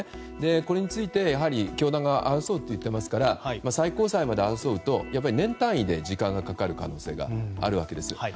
これについて、やはり教団側は争うと言っていますから最高裁まで争うとやっぱり年単位で時間がかかる可能性があります。